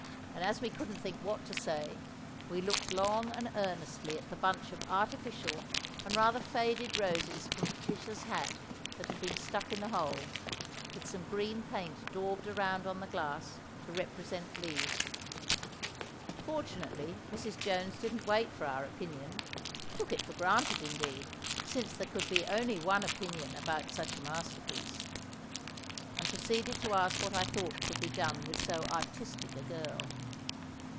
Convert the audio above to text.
And as we couldn't think what to say, we looked long and earnestly at the bunch of artificial and rather faded roses from Patricia's hat that had been stuck in the hole, with some green paint daubed around on the glass to represent leaves. Fortunately, Mrs. Jones didn't wait for our opinion—took it for granted, indeed, since there could only be one opinion about such a masterpiece—and proceeded to ask what I thought could be done with so artistic a girl.